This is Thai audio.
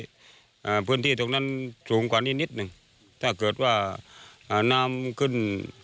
อ่าพื้นที่ตรงนั้นสูงกว่านี้นิดหนึ่งถ้าเกิดว่าอ่าน้ำขึ้น